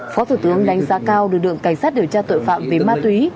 phó thủ tướng đánh giá cao lực lượng cảnh sát điều tra tội phạm về ma túy